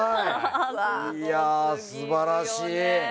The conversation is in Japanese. いや素晴らしい。